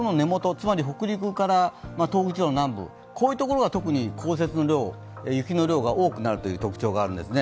つまり北陸から東北地方の南部こういうところがとくに降雪の量、雪の量が多くなるという特徴があるんですね。